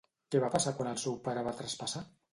Què va passar quan el seu pare va traspassar?